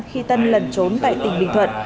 khi tân lần trốn tại tỉnh bình thuận